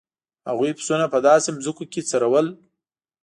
هغوی پسونه په داسې ځمکو کې څرول.